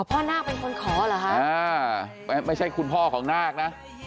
นาคเป็นคนขอเหรอคะไม่ใช่คุณพ่อของนาคนะ